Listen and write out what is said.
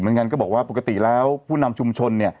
เหมือนกันก็บอกว่าปกติแล้วผู้นำชุมชน